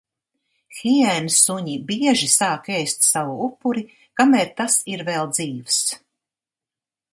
Hiēnsuņi bieži sāk ēst savu upuri, kamēr tas ir vēl dzīvs.